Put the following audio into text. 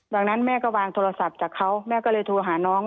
ดังนั้นแม่ก็วางโทรศัพท์จากเขาแม่ก็เลยโทรหาน้อง